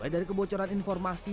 dari kebocoran informasi